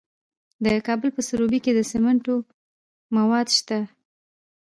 د کابل په سروبي کې د سمنټو مواد شته.